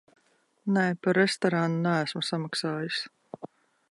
Nē, par restorānu neesmu samaksājis.